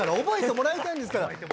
覚えてもらいたいんですから。